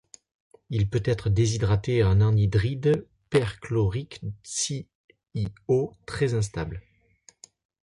Il peut être déshydraté en anhydride perchlorique ClO très instable.